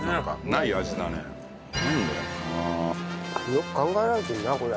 よく考えられてるなこれ。